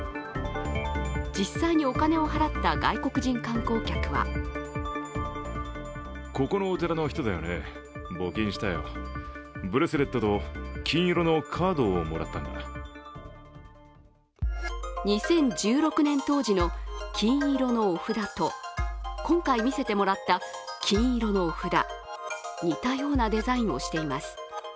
実際にお金を払った外国人観光客は２０１６年当時の金色のお札と今回見せてもらった金色のお札、似たようなデザインをしています。